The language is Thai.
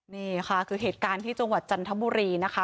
นี่ค่ะคือเหตุการณ์ที่จังหวัดจันทบุรีนะคะ